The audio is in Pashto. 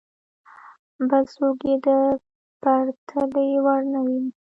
بل څوک یې د پرتلې وړ نه ویني.